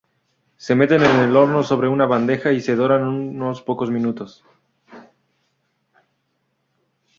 Se meten en el horno sobre una bandeja y se doran unos pocos minutos.